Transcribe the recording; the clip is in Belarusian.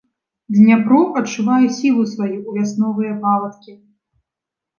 Дняпро адчувае сілу сваю ў вясновыя павадкі.